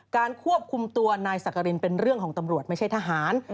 ควบคุมตัวนายสักกรินเป็นเรื่องของตำรวจไม่ใช่ทหาร